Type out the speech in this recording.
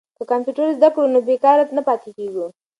که کمپیوټر زده کړو نو بې کاره نه پاتې کیږو.